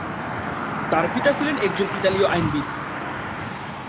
তার পিতা ছিলেন একজন ইতালীয় আইনবিদ।